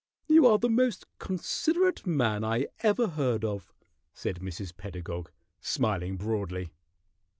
"You are the most considerate man I ever heard of," said Mrs. Pedagog, smiling broadly.